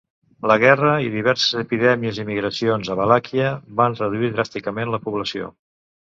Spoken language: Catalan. La guerra i diverses epidèmies i migracions a Valàquia van reduir dràsticament la població.